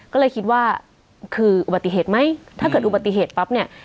ก็เลยคิดว่าคืออุบัติเหตุไหมถ้าเกิดอุบัติเหตุปั๊บเนี่ย